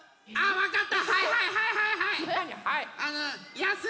わかった？